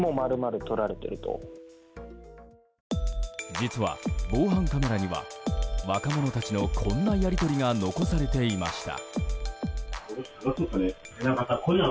実は、防犯カメラには若者たちのこんなやり取りが残されていました。